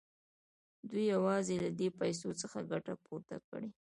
دوی یوازې له دې پیسو څخه ګټه پورته کوي